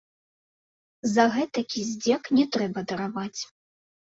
За гэтакі здзек не трэба дараваць.